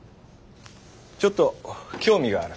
ちょっと興味がある。